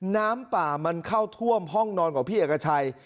น้ำป่ามันเข้าท่วมห้องนอนของพี่เอกชัย